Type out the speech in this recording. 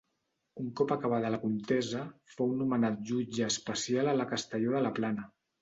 Un cop acabada la contesa fou nomenat jutge especial a la Castelló de la Plana.